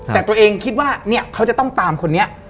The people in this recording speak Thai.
แต่ตัวเองคิดว่าเนี่ยเขาจะต้องตามคนนี้